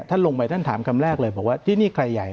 ท่านลงไปท่านถามคำแรกเลยบอกว่าที่นี่ใครใหญ่